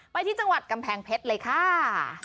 ไปที่จังหวัดกำแพงเพชรเลยค่ะ